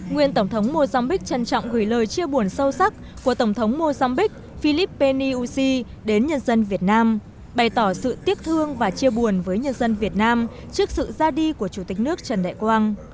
nguyên tổng thống mozambiq trân trọng gửi lời chia buồn sâu sắc của tổng thống mozambiqux philip pennyushi đến nhân dân việt nam bày tỏ sự tiếc thương và chia buồn với nhân dân việt nam trước sự ra đi của chủ tịch nước trần đại quang